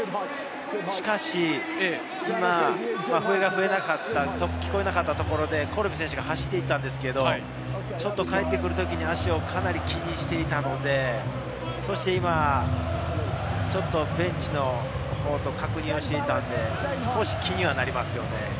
しかし今、笛が聞こえなかったところでコルビ選手が走っていったんですけれど、帰ってくるときに、足をかなり気にしていたので、今ちょっとベンチの方と確認していたので、少し気になりますね。